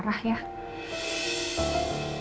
kelihatannya sih marah ya